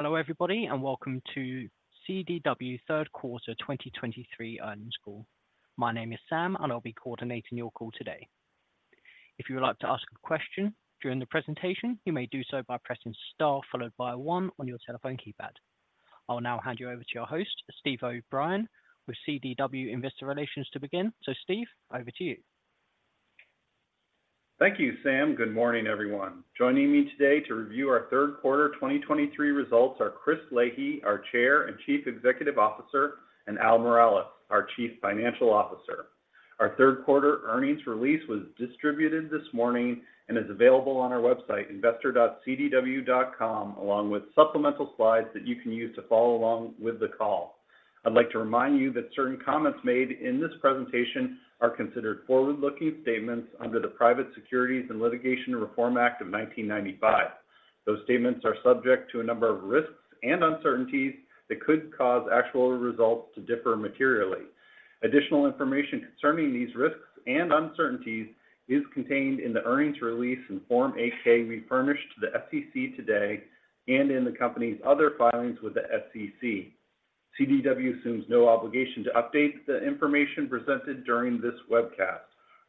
Hello, everybody, and welcome to CDW third quarter 2023 earnings call. My name is Sam, and I'll be coordinating your call today. If you would like to ask a question during the presentation, you may do so by pressing star followed by one on your telephone keypad. I will now hand you over to your host, Steve O'Brien, with CDW Investor Relations to begin. So Steve, over to you. Thank you, Sam. Good morning, everyone. Joining me today to review our third quarter 2023 results are Chris Leahy, our Chair and Chief Executive Officer, and Al Miralles, our Chief Financial Officer. Our third quarter earnings release was distributed this morning and is available on our website, investor.cdw.com, along with supplemental slides that you can use to follow along with the call. I'd like to remind you that certain comments made in this presentation are considered forward-looking statements under the Private Securities Litigation Reform Act of 1995. Those statements are subject to a number of risks and uncertainties that could cause actual results to differ materially. Additional information concerning these risks and uncertainties is contained in the earnings release and Form 8-K we furnished to the SEC today and in the company's other filings with the SEC. CDW assumes no obligation to update the information presented during this webcast.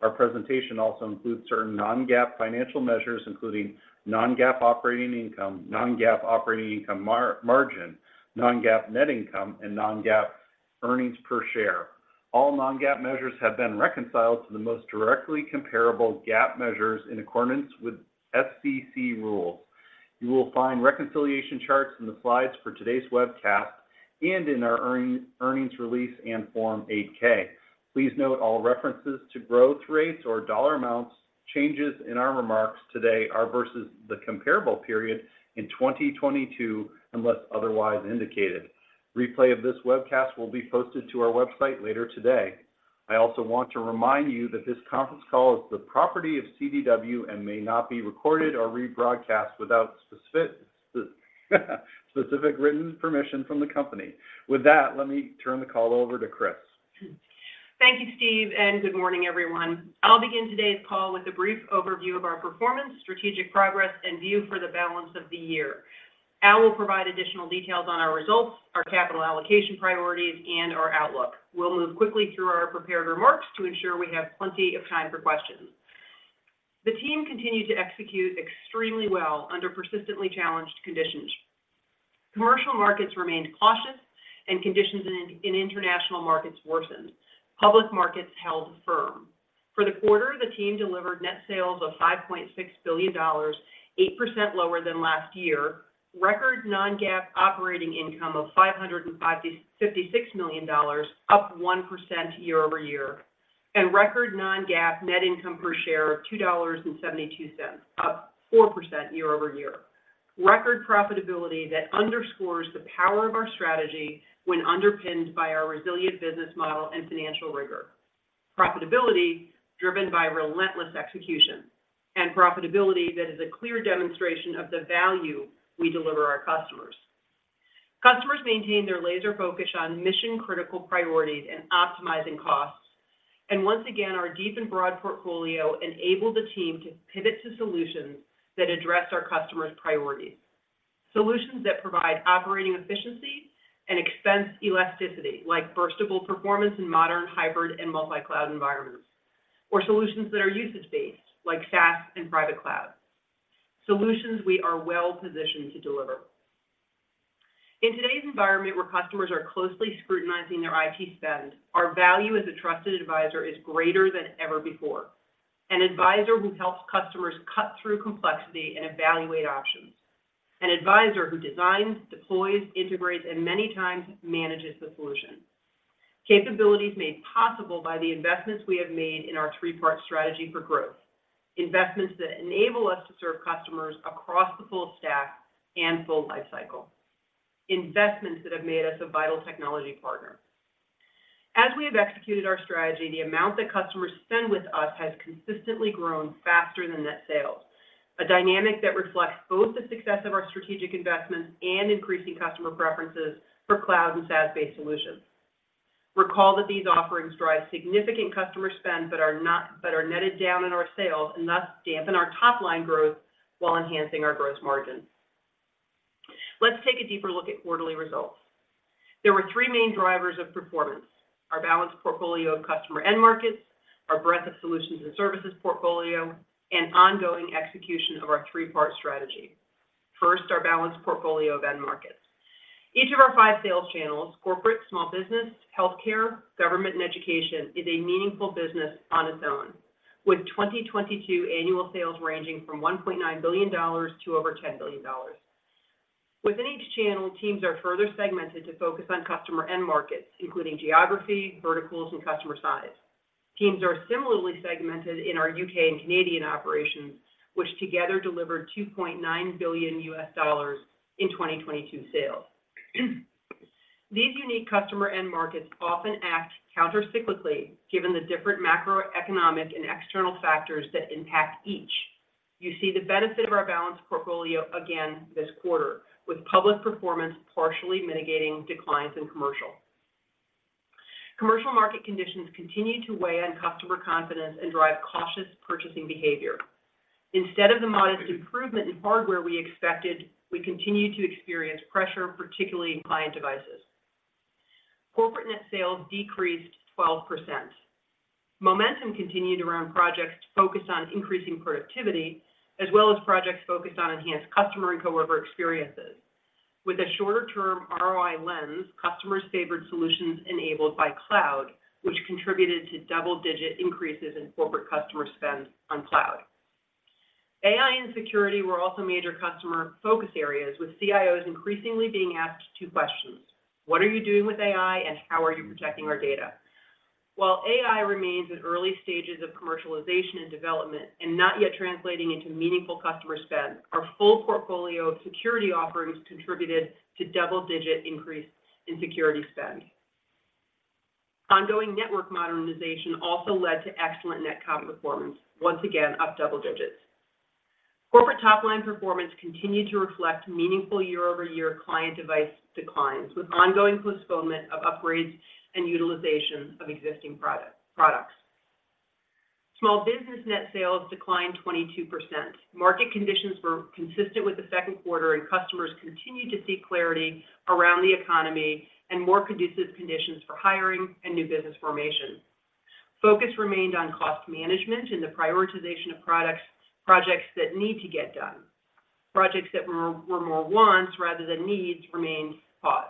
Our presentation also includes certain non-GAAP financial measures, including non-GAAP operating income, non-GAAP operating income margin, non-GAAP net income, and non-GAAP earnings per share. All non-GAAP measures have been reconciled to the most directly comparable GAAP measures in accordance with SEC rules. You will find reconciliation charts in the slides for today's webcast and in our earnings release and Form 8-K. Please note all references to growth rates or dollar amounts, changes in our remarks today are versus the comparable period in 2022, unless otherwise indicated. Replay of this webcast will be posted to our website later today. I also want to remind you that this conference call is the property of CDW and may not be recorded or rebroadcast without specific written permission from the company. With that, let me turn the call over to Chris. Thank you, Steve, and good morning, everyone. I'll begin today's call with a brief overview of our performance, strategic progress, and view for the balance of the year. Al will provide additional details on our results, our capital allocation priorities, and our outlook. We'll move quickly through our prepared remarks to ensure we have plenty of time for questions. The team continued to execute extremely well under persistently challenged conditions. Commercial markets remained cautious, and conditions in international markets worsened. Public markets held firm. For the quarter, the team delivered net sales of $5.6 billion, 8% lower than last year. Record non-GAAP operating income of $556 million, up 1% year-over-year, and record non-GAAP net income per share of $2.72, up 4% year-over-year. Record profitability that underscores the power of our strategy when underpinned by our resilient business model and financial rigor. Profitability driven by relentless execution and profitability that is a clear demonstration of the value we deliver our customers. Customers maintain their laser focus on mission-critical priorities and optimizing costs, and once again, our deep and broad portfolio enabled the team to pivot to solutions that address our customers' priorities. Solutions that provide operating efficiency and expense elasticity, like burstable performance in modern, hybrid, and multi-cloud environments, or solutions that are usage-based, like SaaS and private cloud. Solutions we are well-positioned to deliver. In today's environment, where customers are closely scrutinizing their IT spend, our value as a trusted advisor is greater than ever before. An advisor who helps customers cut through complexity and evaluate options. An advisor who designs, deploys, integrates, and many times manages the solution. Capabilities made possible by the investments we have made in our three-part strategy for growth, investments that enable us to serve customers across the full stack and full lifecycle, investments that have made us a vital technology partner. As we have executed our strategy, the amount that customers spend with us has consistently grown faster than net sales, a dynamic that reflects both the success of our strategic investments and increasing customer preferences for cloud and SaaS-based solutions. Recall that these offerings drive significant customer spend but are netted down in our sales and thus dampen our top-line growth while enhancing our gross margin. Let's take a deeper look at quarterly results. There were three main drivers of performance: our balanced portfolio of customer end markets, our breadth of solutions and services portfolio, and ongoing execution of our three-part strategy. First, our balanced portfolio of end markets. Each of our five sales channels, corporate, small business, Healthcare, Government, and Education, is a meaningful business on its own, with 2022 annual sales ranging from $1.9 billion to over $10 billion. Within each channel, teams are further segmented to focus on customer end markets, including geography, verticals, and customer size. Teams are similarly segmented in our U.K. and Canadian operations, which together delivered $2.9 billion in 2022 sales. These unique customer end markets often act countercyclically, given the different macroeconomic and external factors that impact each. You see the benefit of our balanced portfolio again this quarter, with public performance partially mitigating declines in commercial. Commercial market conditions continued to weigh on customer confidence and drive cautious purchasing behavior. Instead of the modest improvement in hardware we expected, we continued to experience pressure, particularly in client devices. Corporate net sales decreased 12%. Momentum continued around projects focused on increasing productivity, as well as projects focused on enhanced customer and coworker experiences. With a shorter-term ROI lens, customers favored solutions enabled by cloud, which contributed to double-digit increases in corporate customer spend on cloud. AI and security were also major customer focus areas, with CIOs increasingly being asked two questions: What are you doing with AI, and how are you protecting our data? While AI remains at early stages of commercialization and development, and not yet translating into meaningful customer spend, our full portfolio of security offerings contributed to double-digit increase in security spend. Ongoing network modernization also led to excellent netcomm performance, once again, up double digits. Corporate top-line performance continued to reflect meaningful year-over-year client device declines, with ongoing postponement of upgrades and utilization of existing products. Small business net sales declined 22%. Market conditions were consistent with the second quarter, and customers continued to see clarity around the economy and more conducive conditions for hiring and new business formation. Focus remained on cost management and the prioritization of products, projects that need to get done. Projects that were more wants rather than needs remained paused.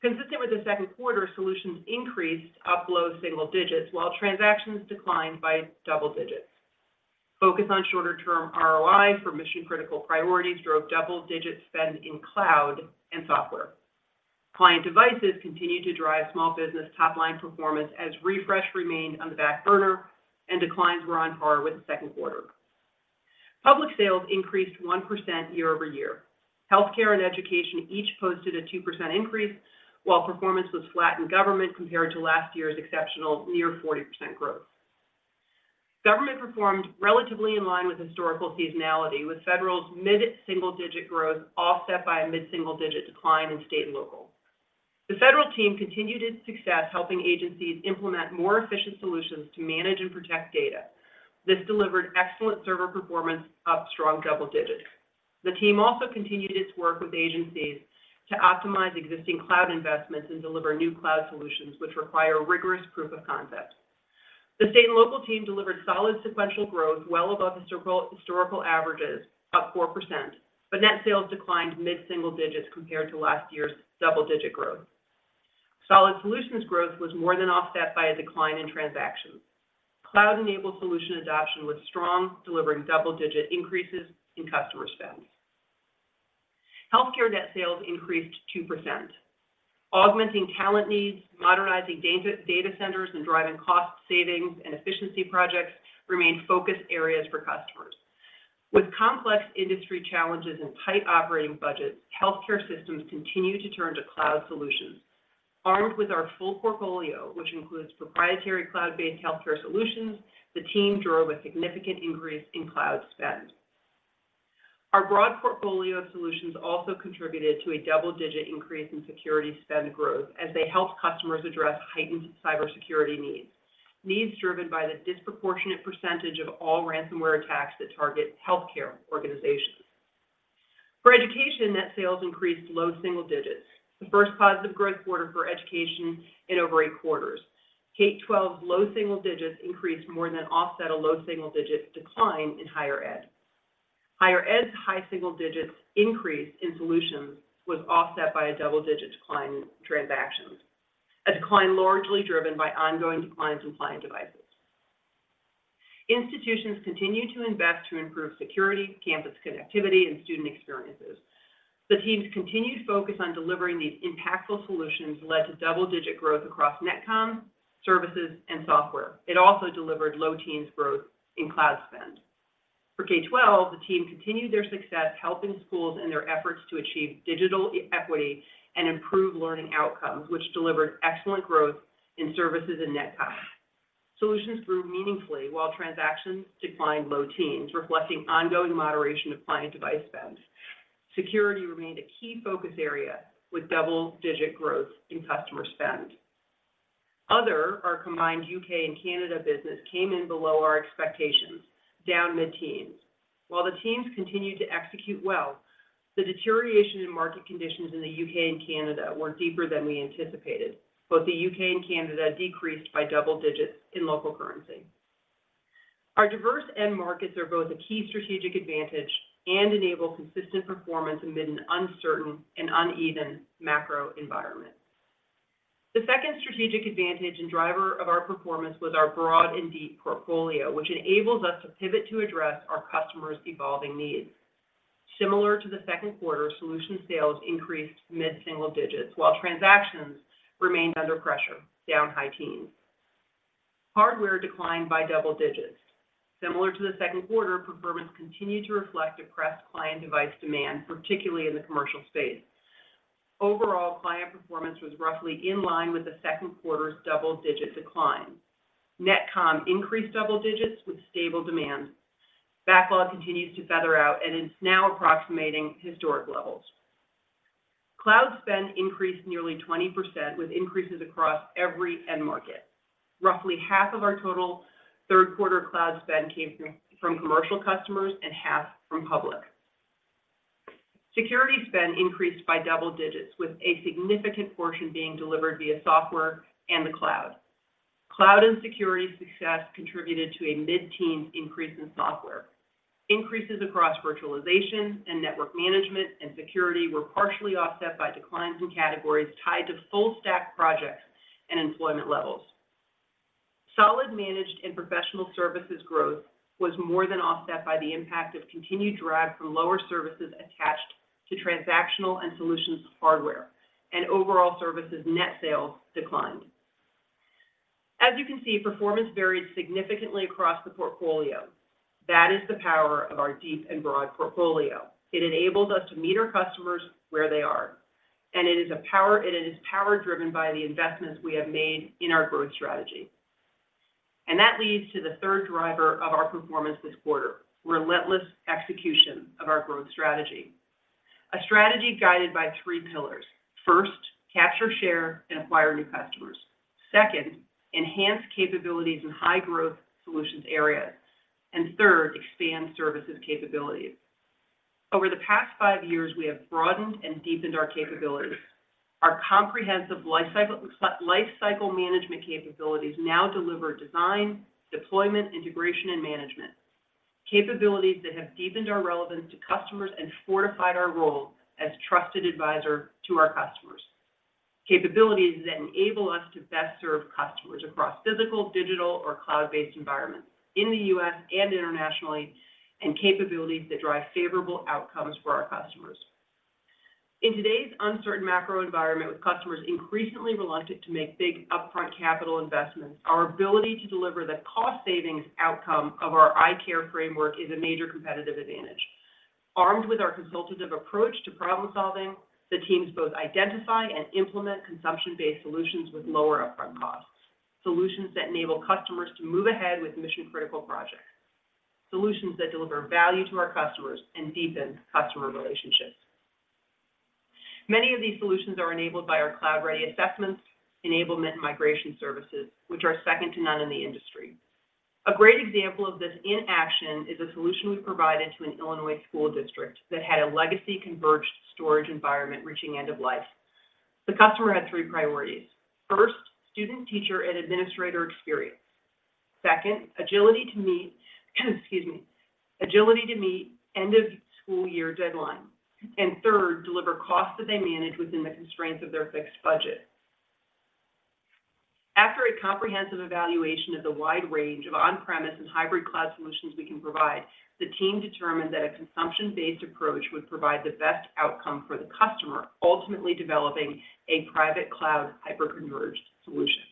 Consistent with the second quarter, solutions increased up low single digits, while transactions declined by double digits. Focus on shorter-term ROI for mission-critical priorities drove double-digit spend in cloud and software. Client devices continued to drive small business top-line performance as refresh remained on the back burner and declines were on par with the second quarter. Public sales increased 1% year-over-year. Healthcare and Education each posted a 2% increase, while performance was flat in Government compared to last year's exceptional near 40% growth. Government performed relatively in line with historical seasonality, with Federal's mid-single-digit growth offset by a mid-single-digit decline in State and Local. The Federal team continued its success, helping agencies implement more efficient solutions to manage and protect data. This delivered excellent server performance up strong double digits. The team also continued its work with agencies to optimize existing cloud investments and deliver new cloud solutions, which require rigorous proof of concept. The State and Local team delivered solid sequential growth well above historical, historical averages, up 4%, but net sales declined mid-single digits compared to last year's double-digit growth. Solid solutions growth was more than offset by a decline in transactions. Cloud-enabled solution adoption was strong, delivering double-digit increases in customer spend. Healthcare net sales increased 2%. Augmenting talent needs, modernizing data, data centers, and driving cost savings and efficiency projects remained focus areas for customers. With complex industry challenges and tight operating budgets, Healthcare systems continue to turn to cloud solutions. Armed with our full portfolio, which includes proprietary cloud-based Healthcare solutions, the team drove a significant increase in cloud spend. Our broad portfolio of solutions also contributed to a double-digit increase in security spend growth as they helped customers address heightened cybersecurity needs, needs driven by the disproportionate percentage of all ransomware attacks that target Healthcare organizations. For Education, net sales increased low single digits, the first positive growth quarter for Education in over eight quarters. K-12 low single digits increased more than offset a low single-digit decline in higher ed. Higher ed's high single digits increase in solutions was offset by a double-digit decline in transactions, a decline largely driven by ongoing declines in client devices. Institutions continue to invest to improve security, campus connectivity, and student experiences. The team's continued focus on delivering these impactful solutions led to double-digit growth across netcomm, services, and software. It also delivered low teens growth in cloud spend. For K-12, the team continued their success, helping schools in their efforts to achieve digital equity and improve learning outcomes, which delivered excellent growth in services and netcomm. Solutions grew meaningfully while transactions declined low teens, reflecting ongoing moderation of client device spend. Security remained a key focus area, with double-digit growth in customer spend. Other, our combined U.K. and Canada business, came in below our expectations, down mid-teens. While the teams continued to execute well, the deterioration in market conditions in the U.K. and Canada were deeper than we anticipated. Both the U.K. and Canada decreased by double digits in local currency. Our diverse end markets are both a key strategic advantage and enable consistent performance amid an uncertain and uneven macro environment. The second strategic advantage and driver of our performance was our broad and deep portfolio, which enables us to pivot to address our customers' evolving needs. Similar to the second quarter, solution sales increased mid-single digits, while transactions remained under pressure, down high teens. Hardware declined by double digits. Similar to the second quarter, performance continued to reflect a decreased client device demand, particularly in the commercial space. Overall, client performance was roughly in line with the second quarter's double-digit decline. Netcomm increased double digits with stable demand. Backlog continues to even out and is now approximating historic levels. Cloud spend increased nearly 20%, with increases across every end market. Roughly half of our total third quarter cloud spend came from commercial customers and half from public. Security spend increased by double digits, with a significant portion being delivered via software and the cloud. Cloud and security success contributed to a mid-teen increase in software. Increases across virtualization and network management and security were partially offset by declines in categories tied to full stack projects and employment levels. Solid managed and professional services growth was more than offset by the impact of continued drag from lower services attached to transactional and solutions hardware, and overall services net sales declined. As you can see, performance varied significantly across the portfolio. That is the power of our deep and broad portfolio. It enables us to meet our customers where they are, and it is a power. It is power driven by the investments we have made in our growth strategy. That leads to the third driver of our performance this quarter, relentless execution of our growth strategy. A strategy guided by three pillars. First, capture, share, and acquire new customers. Second, enhance capabilities in high-growth solutions areas. And third, expand services capabilities. Over the past five years, we have broadened and deepened our capabilities. Our comprehensive life cycle, life cycle management capabilities now deliver design, deployment, integration, and management, capabilities that have deepened our relevance to customers and fortified our role as a trusted advisor to our customers, capabilities that enable us to best serve customers across physical, digital, or cloud-based environments in the U.S. and internationally, and capabilities that drive favorable outcomes for our customers. In today's uncertain macro environment, with customers increasingly reluctant to make big upfront capital investments, our ability to deliver the cost savings outcome of our ICARE framework is a major competitive advantage. Armed with our consultative approach to problem-solving, the teams both identify and implement consumption-based solutions with lower upfront costs, solutions that enable customers to move ahead with mission-critical projects, solutions that deliver value to our customers and deepen customer relationships. Many of these solutions are enabled by our cloud-ready assessments, enablement, and migration services, which are second to none in the industry. A great example of this in action is a solution we provided to an Illinois school district that had a legacy converged storage environment reaching end of life. The customer had three priorities: first, student, teacher, and administrator experience, second, agility to meet, excuse me, agility to meet end-of-school-year deadlines, and third, deliver costs that they manage within the constraints of their fixed budget. After a comprehensive evaluation of the wide range of on-premise and hybrid cloud solutions we can provide, the team determined that a consumption-based approach would provide the best outcome for the customer, ultimately developing a private cloud hyperconverged solution.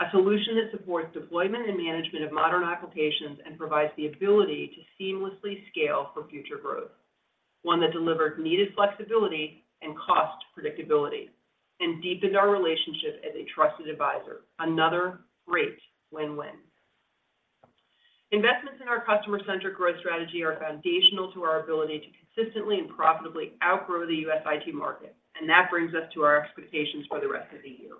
A solution that supports deployment and management of modern applications and provides the ability to seamlessly scale for future growth, one that delivered needed flexibility and cost predictability, and deepened our relationship as a trusted advisor. Another great win-win. Investments in our customer-centric growth strategy are foundational to our ability to consistently and profitably outgrow the U.S. IT market, and that brings us to our expectations for the rest of the year.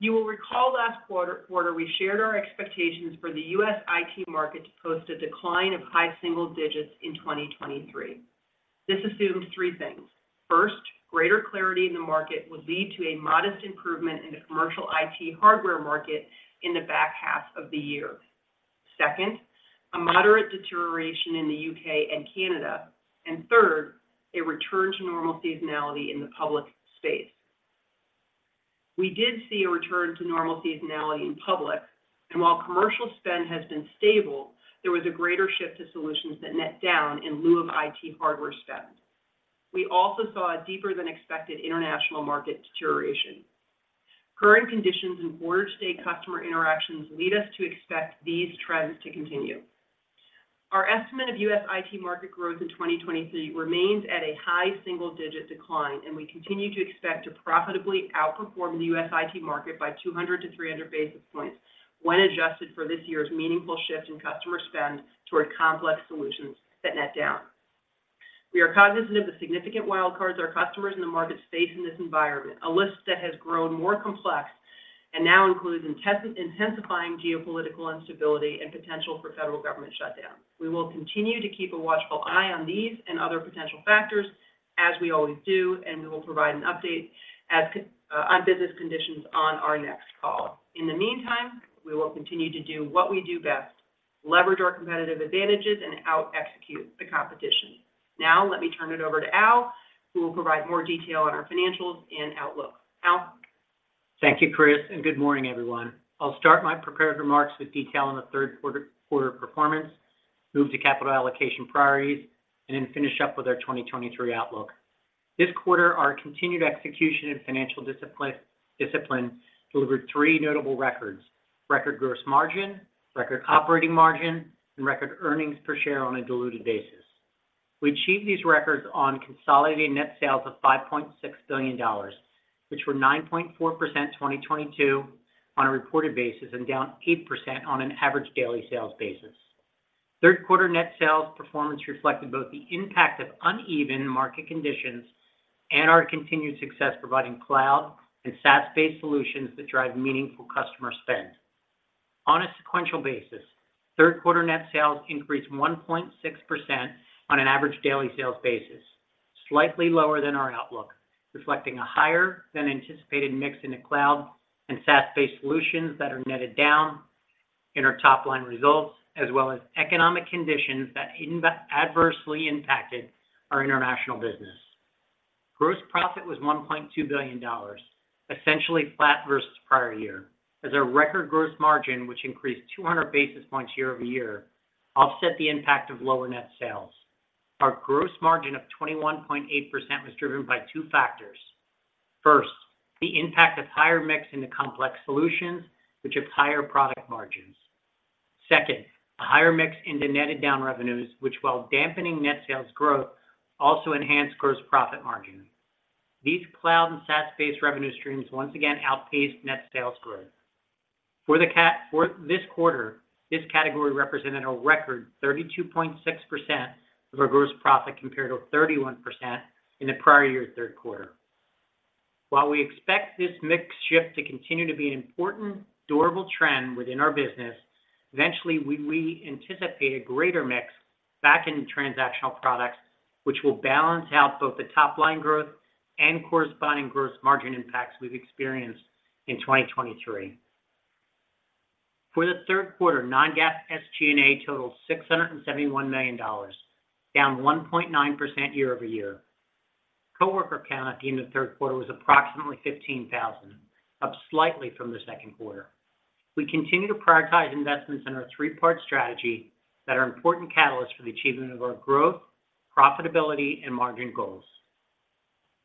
You will recall last quarter we shared our expectations for the U.S. IT market to post a decline of high single digits in 2023. This assumes three things: First, greater clarity in the market will lead to a modest improvement in the commercial IT hardware market in the back half of the year. Second, a moderate deterioration in the U.K. and Canada. And third, a return to normal seasonality in the public space. We did see a return to normal seasonality in public, and while commercial spend has been stable, there was a greater shift to solutions that net down in lieu of IT hardware spend. We also saw a deeper than expected international market deterioration. Current conditions and border state customer interactions lead us to expect these trends to continue. Our estimate of U.S. IT market growth in 2023 remains at a high single-digit decline, and we continue to expect to profitably outperform the U.S. IT market by 200 basis points-300 basis points when adjusted for this year's meaningful shift in customer spend toward complex solutions that net down. We are cognizant of the significant wild cards our customers in the market face in this environment, a list that has grown more complex and now includes intensifying geopolitical instability and potential for Federal Government shutdown. We will continue to keep a watchful eye on these and other potential factors as we always do, and we will provide an update as on business conditions on our next call. In the meantime, we will continue to do what we do best: leverage our competitive advantages and out execute the competition. Now, let me turn it over to Al, who will provide more detail on our financials and outlook. Al? Thank you, Chris, and good morning, everyone. I'll start my prepared remarks with detail on the third quarter performance, move to capital allocation priorities, and then finish up with our 2023 outlook. This quarter, our continued execution and financial discipline delivered three notable records: record gross margin, record operating margin, and record earnings per share on a diluted basis. We achieved these records on consolidated net sales of $5.6 billion, which were 9.4%, 2022 on a reported basis, and down 8% on an average daily sales basis. Third quarter net sales performance reflected both the impact of uneven market conditions and our continued success providing cloud and SaaS-based solutions that drive meaningful customer spend. On a sequential basis, third quarter net sales increased 1.6% on an average daily sales basis, slightly lower than our outlook, reflecting a higher than anticipated mix in the cloud and SaaS-based solutions that are netted down in our top line results, as well as economic conditions that adversely impacted our international business. Gross profit was $1.2 billion, essentially flat versus prior year, as our record gross margin, which increased 200 basis points year-over-year, offset the impact of lower net sales. Our gross margin of 21.8% was driven by two factors. First, the impact of higher mix in the complex solutions, which have higher product margins. Second, a higher mix into netted down revenues, which, while dampening net sales growth, also enhanced gross profit margin. These cloud and SaaS-based revenue streams once again outpaced net sales growth. For this quarter, this category represented a record 32.6% of our gross profit, compared to 31% in the prior year third quarter. While we expect this mix shift to continue to be an important durable trend within our business, eventually, we, we anticipate a greater mix back in transactional products, which will balance out both the top line growth and corresponding gross margin impacts we've experienced in 2023. For the third quarter, Non-GAAP SG&A totaled $671 million, down 1.9% year-over-year. Coworker count at the end of the third quarter was approximately 15,000, up slightly from the second quarter. We continue to prioritize investments in our three-part strategy that are important catalysts for the achievement of our growth, profitability, and margin goals.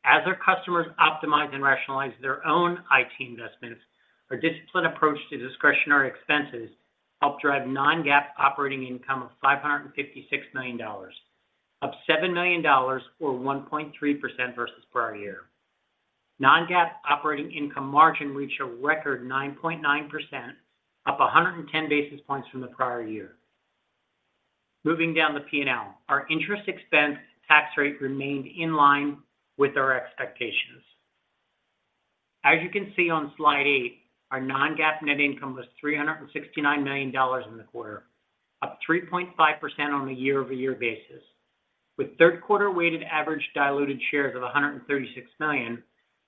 As our customers optimize and rationalize their own IT investments, our disciplined approach to discretionary expenses helped drive non-GAAP operating income of $556 million, up $7 million or 1.3% versus prior year. Non-GAAP operating income margin reached a record 9.9%, up 110 basis points from the prior year. Moving down the P&L, our interest expense tax rate remained in line with our expectations. As you can see on slide eight, our non-GAAP net income was $369 million in the quarter, up 3.5% on a year-over-year basis. With third quarter weighted average diluted shares of 136 million,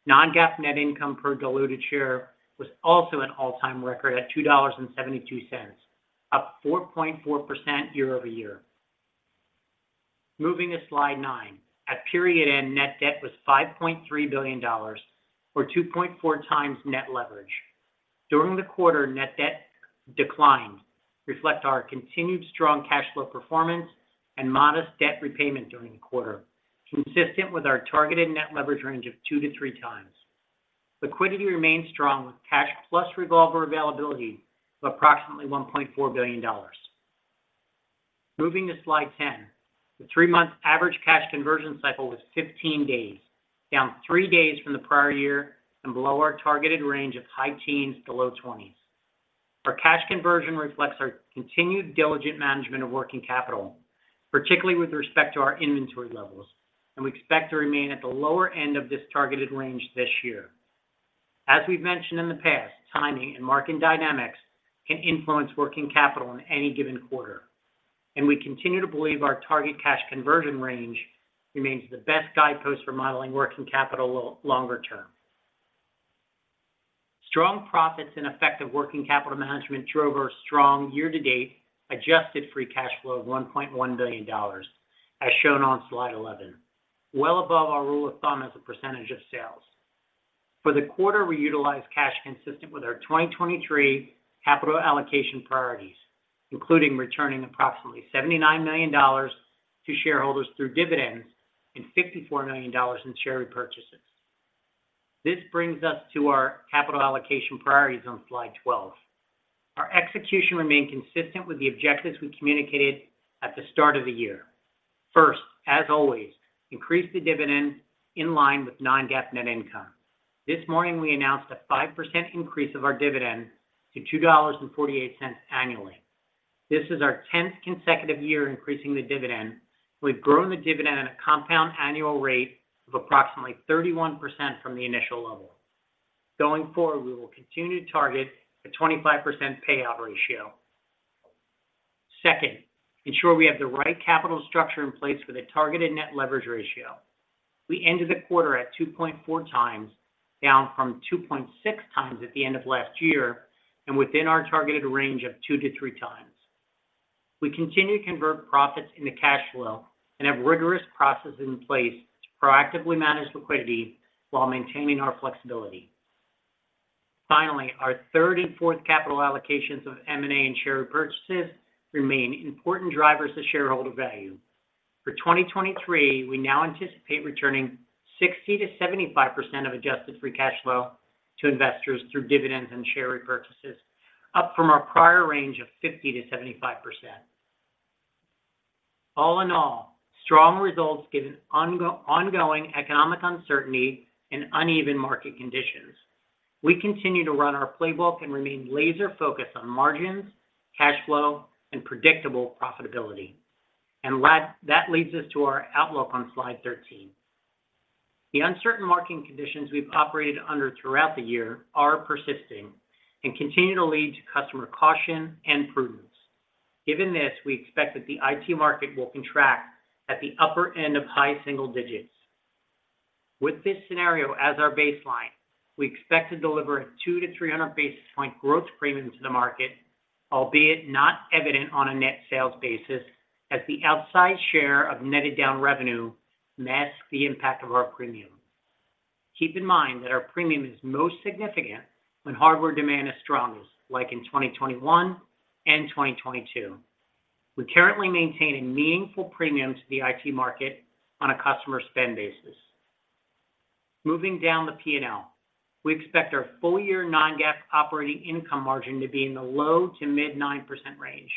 non-GAAP net income per diluted share was also an all-time record at $2.72, up 4.4% year-over-year. Moving to slide nine. At period end, net debt was $5.3 billion, or 2.4x net leverage. During the quarter, net debt declined, reflecting our continued strong cash flow performance and modest debt repayment during the quarter, consistent with our targeted net leverage range of 2x-3x. Liquidity remains strong, with cash plus revolver availability of approximately $1.4 billion. Moving to slide 10. The three-month average cash conversion cycle was 15 days, down three days from the prior year, and below our targeted range of high teens to low 20s. Our cash conversion reflects our continued diligent management of working capital, particularly with respect to our inventory levels, and we expect to remain at the lower end of this targeted range this year. As we've mentioned in the past, timing and market dynamics can influence working capital in any given quarter, and we continue to believe our target cash conversion range remains the best guidepost for modeling working capital longer term. Strong profits and effective working capital management drove our strong year-to-date adjusted free cash flow of $1.1 billion, as shown on slide 11, well above our rule of thumb as a percentage of sales. For the quarter, we utilized cash consistent with our 2023 capital allocation priorities, including returning approximately $79 million to shareholders through dividends and $54 million in share repurchases. This brings us to our capital allocation priorities on slide 12. Our execution remained consistent with the objectives we communicated at the start of the year. First, as always, increase the dividend in line with non-GAAP net income. This morning, we announced a 5% increase of our dividend to $2.48 annually. This is our 10th consecutive year increasing the dividend. We've grown the dividend at a compound annual rate of approximately 31% from the initial level. Going forward, we will continue to target a 25% payout ratio. Second, ensure we have the right capital structure in place with a targeted net leverage ratio. We ended the quarter at 2.4x, down from 2.6x at the end of last year, and within our targeted range of 2x-3x. We continue to convert profits into cash flow and have rigorous processes in place to proactively manage liquidity while maintaining our flexibility. Finally, our third and fourth capital allocations of M&A and share repurchases remain important drivers to shareholder value. For 2023, we now anticipate returning 60%-75% of adjusted free cash flow to investors through dividends and share repurchases, up from our prior range of 50%-75%. All in all, strong results given ongoing economic uncertainty and uneven market conditions. We continue to run our playbook and remain laser-focused on margins, cash flow, and predictable profitability. And that, that leads us to our outlook on slide 13. The uncertain market conditions we've operated under throughout the year are persisting and continue to lead to customer caution and prudence. Given this, we expect that the IT market will contract at the upper end of high single digits. With this scenario as our baseline, we expect to deliver a 200 basis points-300 basis point growth premium to the market, albeit not evident on a net sales basis, as the outsized share of netted down revenue masks the impact of our premium. Keep in mind that our premium is most significant when hardware demand is strongest, like in 2021 and 2022. We currently maintain a meaningful premium to the IT market on a customer spend basis. Moving down the P&L, we expect our full-year Non-GAAP operating income margin to be in the low- to mid-9% range,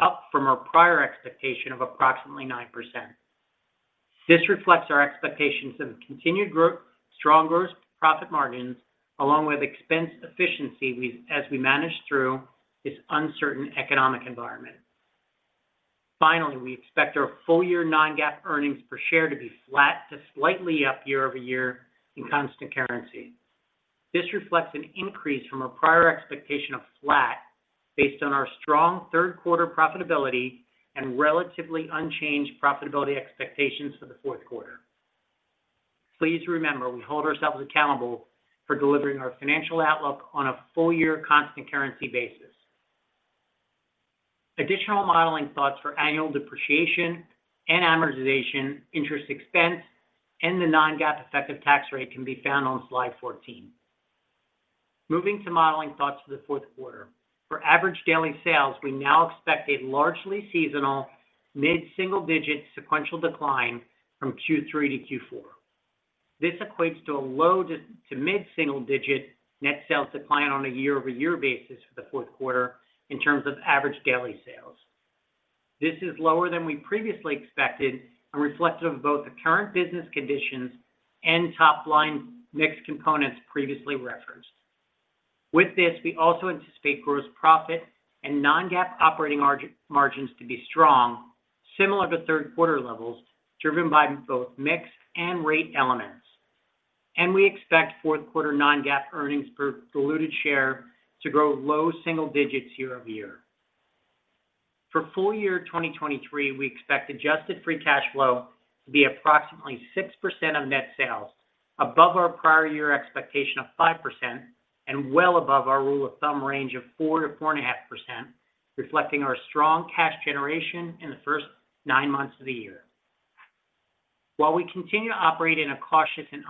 up from our prior expectation of approximately 9%. This reflects our expectations of continued growth, strong growth, profit margins, along with expense efficiency as we manage through this uncertain economic environment. Finally, we expect our full-year non-GAAP earnings per share to be flat to slightly up year-over-year in constant currency. This reflects an increase from our prior expectation of flat based on our strong third quarter profitability and relatively unchanged profitability expectations for the fourth quarter. Please remember, we hold ourselves accountable for delivering our financial outlook on a full-year constant currency basis. Additional modeling thoughts for annual depreciation and amortization, interest expense, and the non-GAAP effective tax rate can be found on slide 14. Moving to modeling thoughts for the fourth quarter. For average daily sales, we now expect a largely seasonal, mid-single-digit sequential decline from Q3 to Q4. This equates to a low to mid-single-digit net sales decline on a year-over-year basis for the fourth quarter in terms of average daily sales. This is lower than we previously expected and reflective of both the current business conditions and top-line mix components previously referenced. With this, we also anticipate gross profit and Non-GAAP operating margins to be strong, similar to third quarter levels, driven by both mix and rate elements. And we expect fourth quarter Non-GAAP earnings per diluted share to grow low single digits year-over-year. For full year 2023, we expect adjusted free cash flow to be approximately 6% of net sales, above our prior year expectation of 5%, and well above our rule of thumb range of 4%-4.5%, reflecting our strong cash generation in the first nine months of the year. While we continue to operate in a cautious and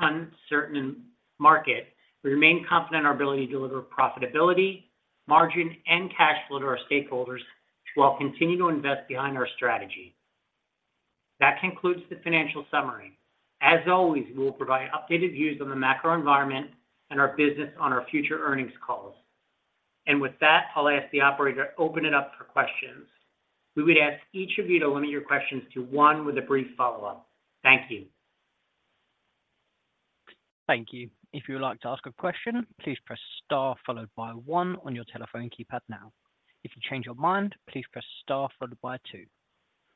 uncertain market, we remain confident in our ability to deliver profitability, margin, and cash flow to our stakeholders, while continuing to invest behind our strategy. That concludes the financial summary. As always, we will provide updated views on the macro environment and our business on our future earnings calls. With that, I'll ask the operator to open it up for questions. We would ask each of you to limit your questions to one with a brief follow-up. Thank you. Thank you. If you would like to ask a question, please press star followed by one on your telephone keypad now. If you change your mind, please press star followed by two.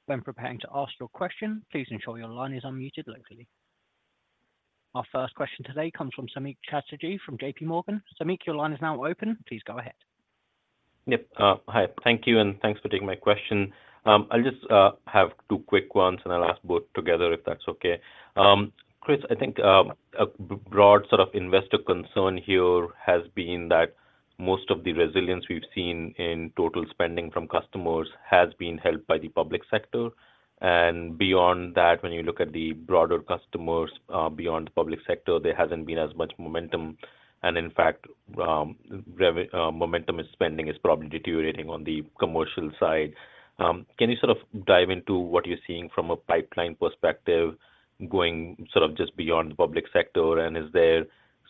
When preparing to ask your question, please ensure your line is unmuted locally. Our first question today comes from Samik Chatterjee from JPMorgan. Samik, your line is now open. Please go ahead. Yep. Hi, thank you, and thanks for taking my question. I'll just have two quick ones, and I'll ask both together if that's okay. Chris, I think a broad sort of investor concern here has been that most of the resilience we've seen in total spending from customers has been helped by the public sector, and beyond that, when you look at the broader customers beyond the public sector, there hasn't been as much momentum, and in fact, momentum in spending is probably deteriorating on the commercial side. Can you sort of dive into what you're seeing from a pipeline perspective, going sort of just beyond the public sector? And is there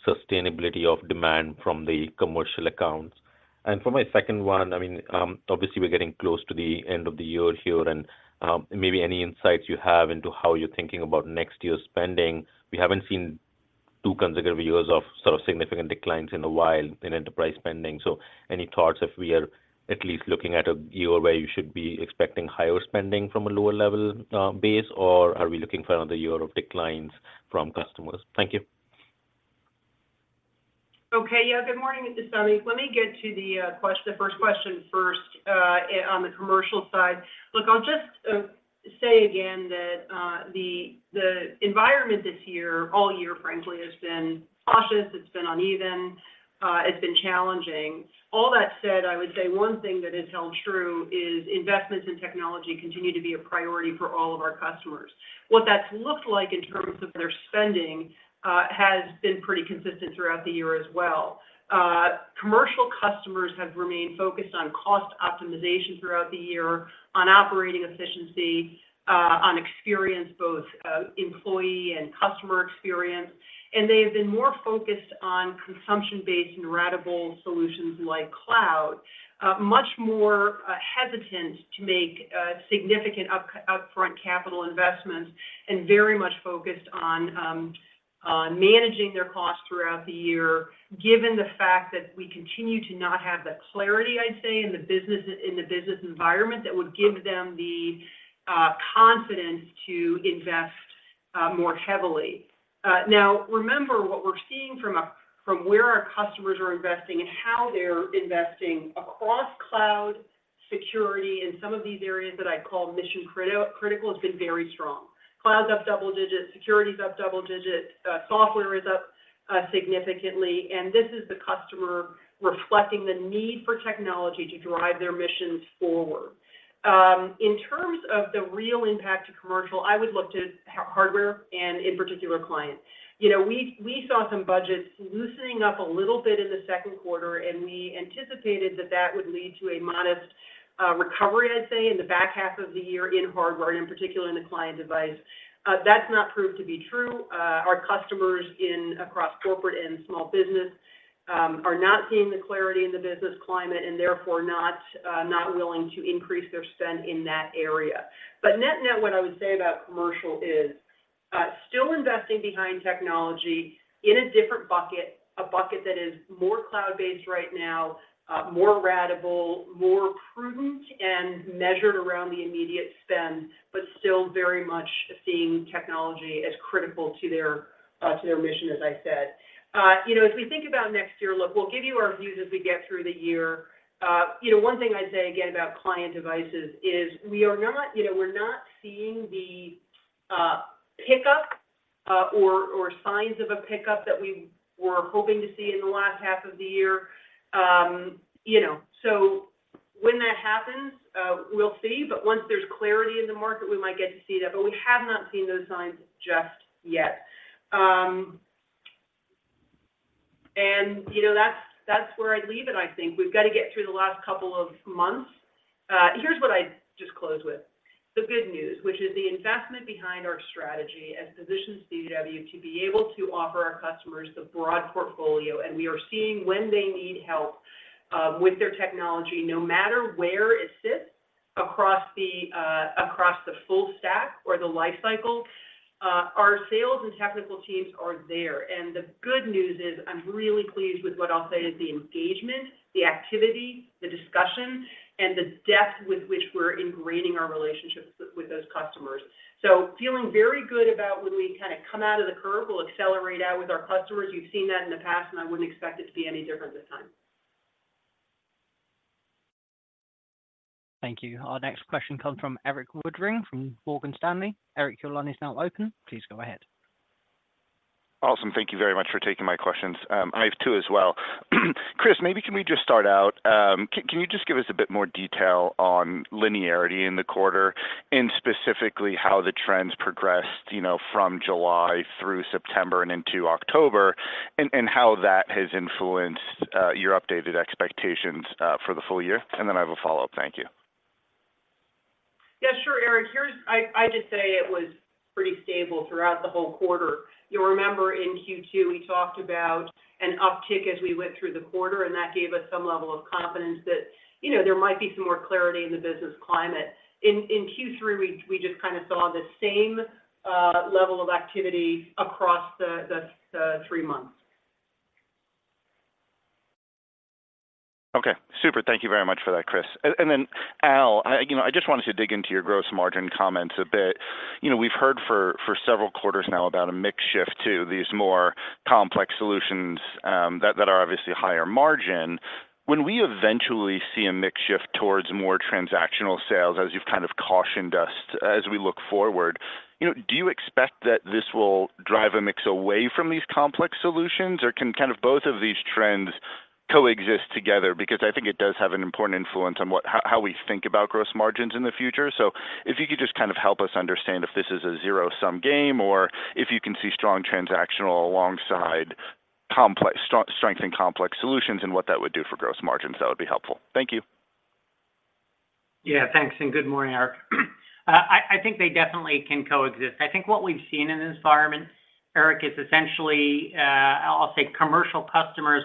sustainability of demand from the commercial accounts? For my second one, I mean, obviously, we're getting close to the end of the year here, and maybe any insights you have into how you're thinking about next year's spending. We haven't seen two consecutive years of sort of significant declines in a while in enterprise spending. Any thoughts if we are at least looking at a year where you should be expecting higher spending from a lower level base, or are we looking for another year of declines from customers? Thank you. Okay, yeah. Good morning, Samik. Let me get to the first question first, on the commercial side. Look, I'll just say again that the environment this year, all year, frankly, has been cautious, it's been uneven, it's been challenging. All that said, I would say one thing that has held true is investments in technology continue to be a priority for all of our customers. What that's looked like in terms of their spending has been pretty consistent throughout the year as well. Commercial customers have remained focused on cost optimization throughout the year, on operating efficiency, on experience, both employee and customer experience. And they have been more focused on consumption-based and ratable solutions like cloud. Much more hesitant to make significant upfront capital investments, and very much focused on managing their costs throughout the year, given the fact that we continue to not have the clarity, I'd say, in the business environment, that would give them the confidence to invest more heavily. Now, remember, what we're seeing from where our customers are investing and how they're investing across cloud security in some of these areas that I call mission critical, has been very strong. Cloud's up double digits, security is up double digits, software is up significantly, and this is the customer reflecting the need for technology to drive their missions forward. In terms of the real impact to commercial, I would look to hardware and in particular, client. You know, we saw some budgets loosening up a little bit in the second quarter, and we anticipated that would lead to a modest recovery, I'd say, in the back half of the year in hardware, and in particular in the client device. That's not proved to be true. Our customers across corporate and small business are not seeing the clarity in the business climate, and therefore not willing to increase their spend in that area. But net-net, what I would say about commercial is still investing behind technology in a different bucket, a bucket that is more cloud-based right now, more ratable, more prudent, and measured around the immediate spend, but still very much seeing technology as critical to their mission, as I said. You know, as we think about next year, look, we'll give you our views as we get through the year. You know, one thing I'd say again about client devices is we are not, you know, we're not seeing the pickup or signs of a pickup that we were hoping to see in the last half of the year. You know, so when that happens, we'll see, but once there's clarity in the market, we might get to see that, but we have not seen those signs just yet. And, you know, that's where I'd leave it, I think. We've got to get through the last couple of months. Here's what I'd just close with: the good news, which is the investment behind our strategy, as positions CDW to be able to offer our customers the broad portfolio, and we are seeing when they need help, with their technology, no matter where it sits across the, across the full stack or the life cycle, our sales and technical teams are there. And the good news is, I'm really pleased with what I'll say is the engagement, the activity, the discussion, and the depth with which we're ingraining our relationships with, with those customers. So feeling very good about when we kind of come out of the curve, we'll accelerate out with our customers. You've seen that in the past, and I wouldn't expect it to be any different this time. Thank you. Our next question comes from Erik Woodring, from Morgan Stanley. Eric, your line is now open. Please go ahead. Awesome. Thank you very much for taking my questions. I have two as well. Chris, maybe can we just start out, can you just give us a bit more detail on linearity in the quarter, and specifically how the trends progressed, you know, from July through September and into October, and how that has influenced your updated expectations for the full year? And then I have a follow-up. Thank you. Yeah, sure, Eric. Here's, I just say it was pretty stable throughout the whole quarter. You'll remember in Q2, we talked about an uptick as we went through the quarter, and that gave us some level of confidence that, you know, there might be some more clarity in the business climate. In Q3, we just kind of saw the same level of activity across the three months. Okay, super. Thank you very much for that, Chris. And then, Al, you know, I just wanted to dig into your gross margin comments a bit. You know, we've heard for several quarters now about a mix shift to these more complex solutions that are obviously higher margin. When we eventually see a mix shift towards more transactional sales, as you've kind of cautioned us as we look forward, you know, do you expect that this will drive a mix away from these complex solutions, or can kind of both of these trends coexist together? Because I think it does have an important influence on how we think about gross margins in the future. So if you could just kind of help us understand if this is a zero-sum game, or if you can see strong transactional alongside complex, strength and complex solutions, and what that would do for gross margins, that would be helpful? Thank you. Yeah, thanks, and good morning, Eric. I think they definitely can coexist. I think what we've seen in this environment, Eric, is essentially, I'll say commercial customers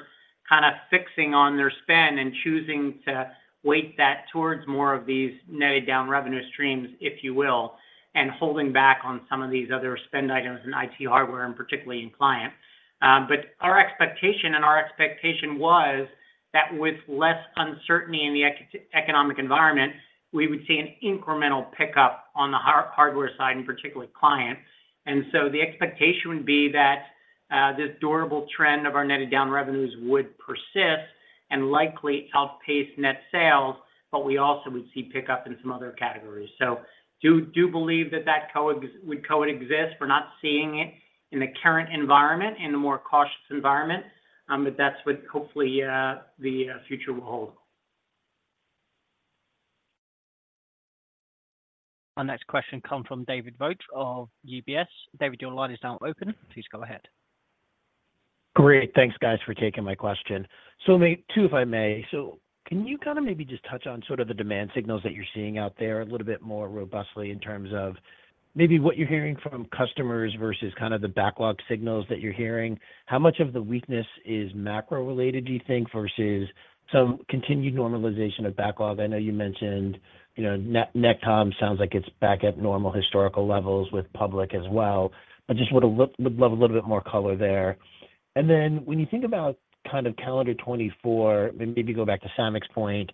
kind of fixing on their spend and choosing to weight that towards more of these netted down revenue streams, if you will, and holding back on some of these other spend items in IT hardware, and particularly in client. But our expectation, and our expectation was that with less uncertainty in the economic environment, we would see an incremental pickup on the hardware side, in particular, client. And so the expectation would be that, this durable trend of our netted down revenues would persist and likely outpace net sales, but we also would see pickup in some other categories. So do believe that that would coexist. We're not seeing it in the current environment, in a more cautious environment, but that's what hopefully the future will hold. Our next question come from David Vogt of UBS. David, your line is now open. Please go ahead. Great. Thanks, guys, for taking my question. So maybe two, if I may. So can you kind of maybe just touch on sort of the demand signals that you're seeing out there a little bit more robustly in terms of maybe what you're hearing from customers versus kind of the backlog signals that you're hearing? How much of the weakness is macro-related, do you think, versus some continued normalization of backlog? I know you mentioned, you know, netcomm sounds like it's back at normal historical levels with public as well, but just would love a little bit more color there. And then when you think about kind of calendar 2024, maybe go back to Samik's point,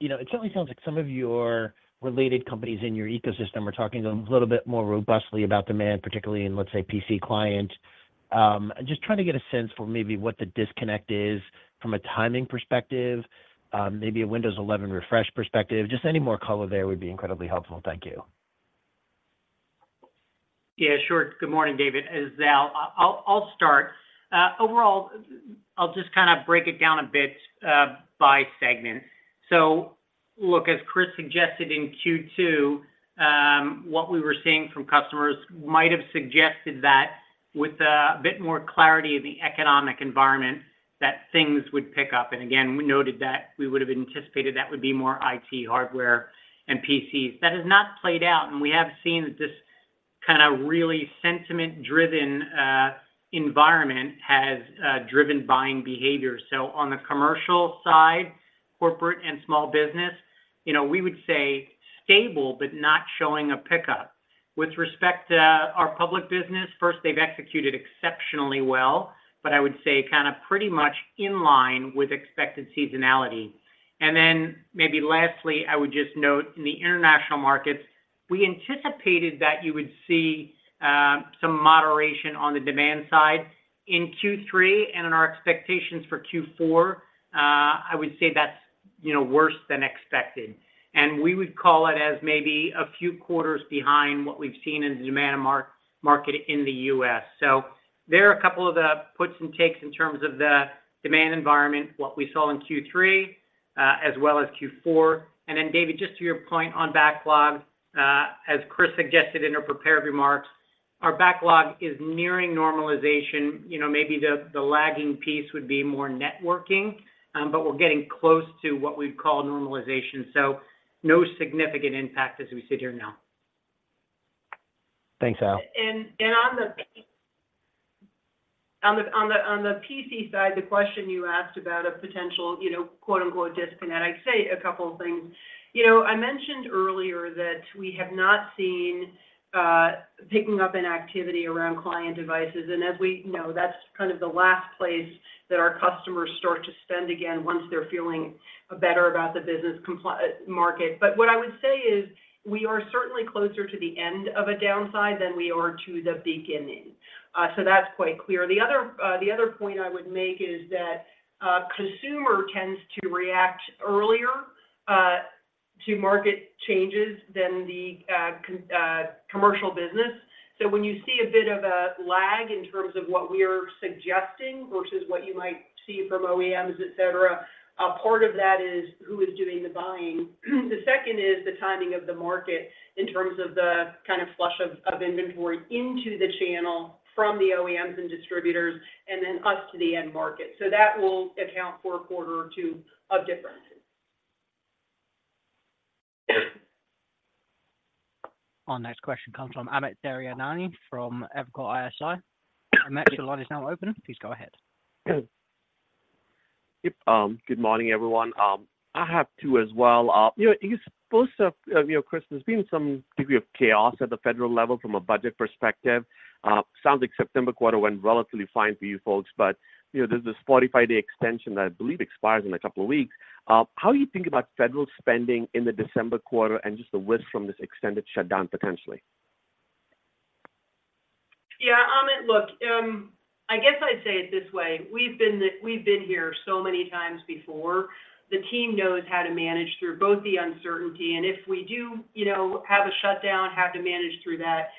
you know, it certainly sounds like some of your related companies in your ecosystem are talking a little bit more robustly about demand, particularly in, let's say, PC client. Just trying to get a sense for maybe what the disconnect is from a timing perspective, maybe a Windows 11 refresh perspective. Just any more color there would be incredibly helpful. Thank you. Yeah, sure. Good morning, David. It's Al. I'll start. Overall, I'll just break it down a bit by segment. So look, as Chris suggested in Q2, what we were seeing from customers might have suggested that with a bit more clarity in the economic environment, that things would pick up. And again, we noted that we would have anticipated that would be more IT hardware, and PCs. That has not played out, and we have seen that this kind of really sentiment-driven environment has driven buying behavior. So on the commercial side, corporate and small business, you know, we would say stable but not showing a pickup. With respect to our public business, first, they've executed exceptionally well, but I would say kind of pretty much in line with expected seasonality. And then maybe lastly, I would just note in the international markets, we anticipated that you would see some moderation on the demand side. In Q3 and in our expectations for Q4, I would say that's, you know, worse than expected. And we would call it as maybe a few quarters behind what we've seen in the demand market in the U.S. So there are a couple of the puts and takes in terms of the demand environment, what we saw in Q3, as well as Q4. And then, David, just to your point on backlog, as Chris suggested in her prepared remarks, our backlog is nearing normalization. You know, maybe the lagging piece would be more networking, but we're getting close to what we'd call normalization. So no significant impact as we sit here now. Thanks, Al. On the PC side, the question you asked about a potential, you know, quote, unquote, "disconnect," I'd say a couple of things. You know, I mentioned earlier that we have not seen picking up in activity around client devices, and as we know, that's kind of the last place that our customers start to spend again, once they're feeling better about the business climate. But what I would say is, we are certainly closer to the end of a downside than we are to the beginning. So that's quite clear. The other point I would make is that consumer tends to react earlier to market changes than the commercial business. So when you see a bit of a lag in terms of what we are suggesting versus what you might see from OEMs, et cetera, part of that is who is doing the buying. The second is the timing of the market in terms of the kind of flush of inventory into the channel from the OEMs and distributors, and then us to the end market. So that will account for a quarter or two of differences. Our next question comes from Amit Daryanani from Evercore ISI. Amit, your line is now open. Please go ahead. Yep, good morning, everyone. I have two as well. You know, I guess both of, you know, Chris, there's been some degree of chaos at the Federal level from a budget perspective. Sounds like September quarter went relatively fine for you folks, but, you know, there's this 45-day extension that I believe expires in a couple of weeks. How are you thinking about Federal spending in the December quarter and just the width from this extended shutdown, potentially? Yeah, Amit, look, I guess I'd say it this way: we've been here so many times before. The team knows how to manage through both the uncertainty, and if we do, you know, have a shutdown, have to manage through that.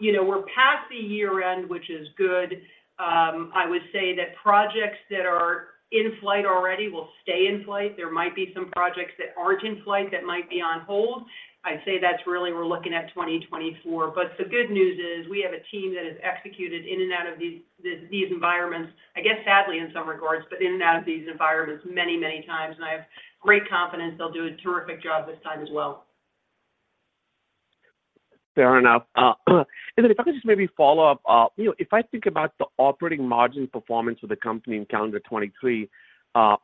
You know, we're past the year-end, which is good. I would say that projects that are in flight already will stay in flight. There might be some projects that aren't in flight that might be on hold. I'd say that's really we're looking at 2024. But the good news is, we have a team that has executed in and out of these, the, these environments, I guess, sadly, in some regards, but in and out of these environments many, many times, and I have great confidence they'll do a terrific job this time as well. Fair enough. And then if I could just maybe follow up. You know, if I think about the operating margin performance of the company in calendar 2023, you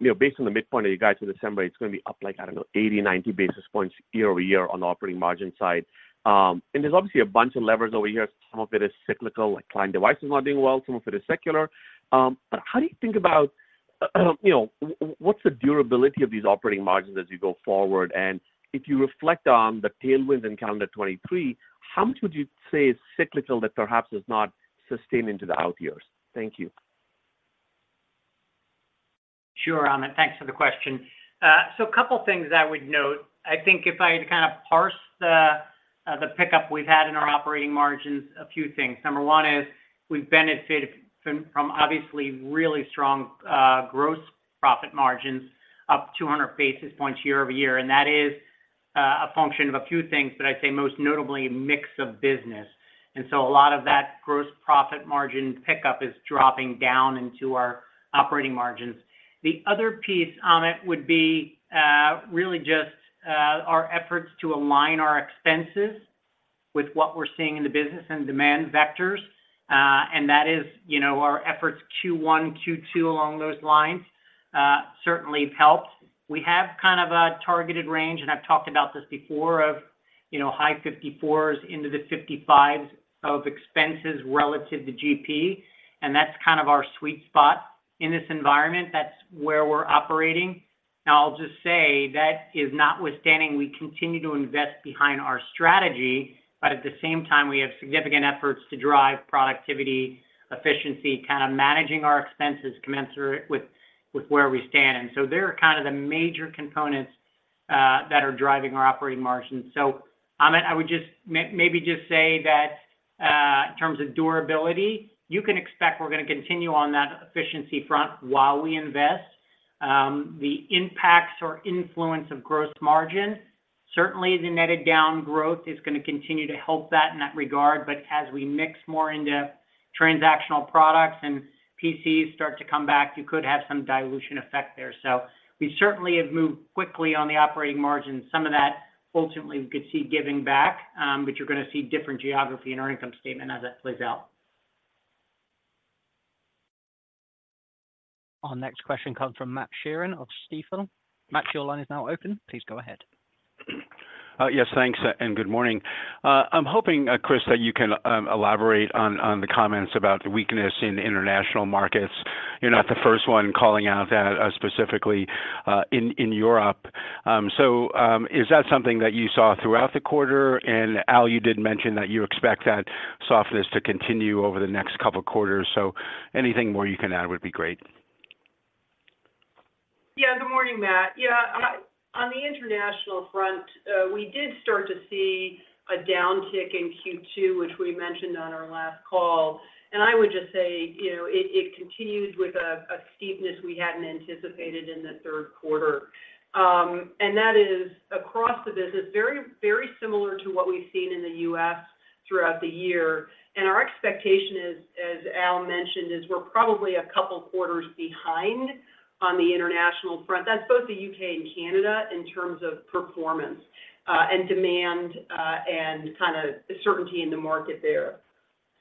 know, based on the midpoint of you guys in December, it's going to be up like, I don't know, 80 basis points-90 basis points year-over-year on the operating margin side. And there's obviously a bunch of levers over here. Some of it is cyclical, like client device is not doing well, some of it is secular. But how do you think about, you know, what's the durability of these operating margins as you go forward? And if you reflect on the tailwinds in calendar 2023, how much would you say is cyclical that perhaps is not sustained into the out years? Thank you. Sure, Amit. Thanks for the question. So a couple of things I would note. I think if I had to kind of parse the pickup we've had in our operating margins, a few things. Number one is, we've benefited from, from obviously really strong, gross profit margins, up 200 basis points year-over-year, and that is, a function of a few things, but I'd say most notably, mix of business. And so a lot of that gross profit margin pickup is dropping down into our operating margins. The other piece, Amit, would be, really just, our efforts to align our expenses with what we're seeing in the business and demand vectors. And that is, you know, our efforts Q1, Q2, along those lines, certainly have helped. We have kind of a targeted range, and I've talked about this before, of, you know, high 54%-55% of expenses relative to GP, and that's kind of our sweet spot in this environment. That's where we're operating. Now, I'll just say that is notwithstanding, we continue to invest behind our strategy, but at the same time, we have significant efforts to drive productivity, efficiency, kind of managing our expenses commensurate with where we stand. And so they're kind of the major components that are driving our operating margins. So, Amit, I would just maybe just say that, in terms of durability, you can expect we're gonna continue on that efficiency front while we invest. The impacts or influence of gross margin, certainly the netted down growth is gonna continue to help that in that regard, but as we mix more into transactional products and PCs start to come back, you could have some dilution effect there. So we certainly have moved quickly on the operating margin. Some of that, ultimately, we could see giving back, but you're gonna see different geography in our income statement as that plays out. Our next question comes from Matt Sheerin of Stifel. Matt, your line is now open. Please go ahead. Yes, thanks, and good morning. I'm hoping, Chris, that you can elaborate on the comments about the weakness in the international markets. You're not the first one calling out that, specifically, in Europe. So, is that something that you saw throughout the quarter? And Al, you did mention that you expect that softness to continue over the next couple of quarters. So anything more you can add would be great. Yeah, good morning, Matt. Yeah, I on the international front, we did start to see a downtick in Q2, which we mentioned on our last call, and I would just say, you know, it, it continued with a, a steepness we hadn't anticipated in the third quarter. And that is across the business, very, very similar to what we've seen in the U.S. throughout the year. And our expectation is, as Al mentioned, is we're probably a couple quarters behind on the international front. That's both the U.K. and Canada in terms of performance, and demand, and kinda certainty in the market there.